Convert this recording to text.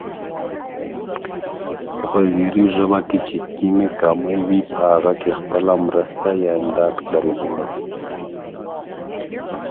The leaf segments are mostly oblong and obtuse (blunt) at the tip.